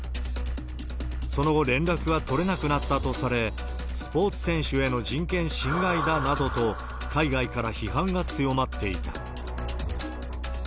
その後、連絡が取れなくなったとされ、スポーツ選手への人権侵害だなどと、海外から批判が強まっていた。